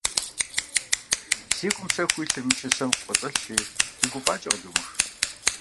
Си гум щэхуу илъыр мы чысэм кӀуэцӀылъщи, уи гуфӀакӀэ къыдумых.